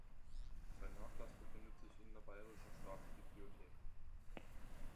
Sein Nachlass befindet sich in der Bayerischen Staatsbibliothek.